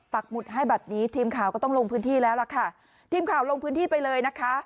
หมุดให้แบบนี้ทีมข่าวก็ต้องลงพื้นที่แล้วล่ะค่ะทีมข่าวลงพื้นที่ไปเลยนะคะ